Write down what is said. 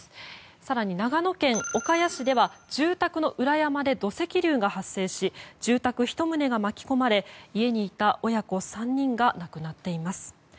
更に、長野県岡谷市では住宅の裏山で土石流が発生し住宅１棟が巻き込まれ家にいた親子３人が亡くなっています。